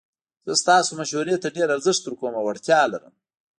زه ستاسو مشورې ته ډیر ارزښت ورکوم او اړتیا لرم